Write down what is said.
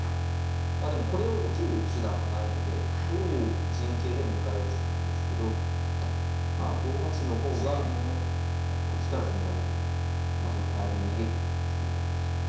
まあでもこれを受ける手段はないのでどういう陣形で迎え撃つかなんですけどまあ５八の方がこっちから攻められるんでまあちょっと早めに逃げてるということでしょうね。